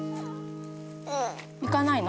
行かないの？